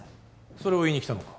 それを言いに来たのか？